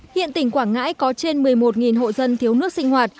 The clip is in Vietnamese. hiện tỉnh quảng ngãi có trên một mươi một hộ dân thiếu nước sinh hoạt